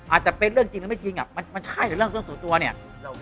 อาจจะเป็นเรื่องจริงหรือไม่จริงมันใช่หรือเรื่องส่วนตัวเนี่ย